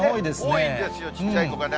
多いんですよ、ちっちゃい子がね。